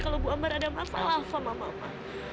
kalau bu ambar ada masalah sama mama